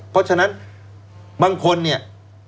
เพราะฉะนั้นบางคนเนี่ย